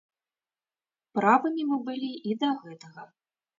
Правымі мы былі і да гэтага.